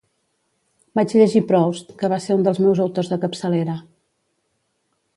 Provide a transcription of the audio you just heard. Vaig llegir Proust, que va ser un dels meus autors de capçalera